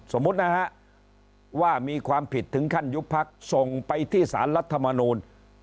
สมมุตินะฮะว่ามีความผิดถึงขั้นยุบพักส่งไปที่สารรัฐมนูล